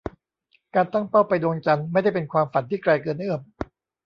การตั้งเป้าไปดวงจันทร์ ไม่ได้เป็นความฝันที่ไกลเกินเอื้อม